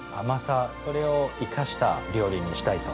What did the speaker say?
それを生かした料理にしたいと。